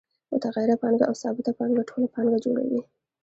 متغیره پانګه او ثابته پانګه ټوله پانګه جوړوي